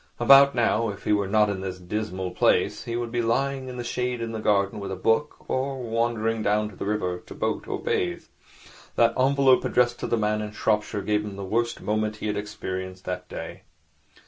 About now, if he were not in this dismal place, he would be lying in the shade in the garden with a book, or wandering down to the river to boat or bathe. That envelope addressed to the man in Shropshire gave him the worst moment he had experienced that day.